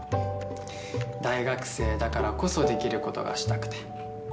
大学生だからこそできる事がしたくて。